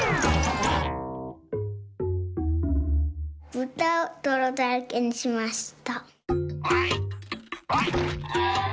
ぶたをどろだらけにしました。